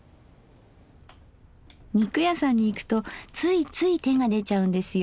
肉屋さんに行くとついつい手が出ちゃうんですよ